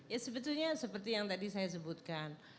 ya sebetulnya seperti yang tadi saya sebutkan